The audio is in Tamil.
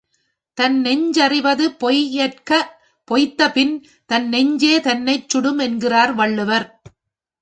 தன்நெஞ் சறிவது பொய்யற்க பொய்த்தபின் தன்நெஞ்சே தன்னைச் சுடும் என்கிறார் வள்ளுவர்.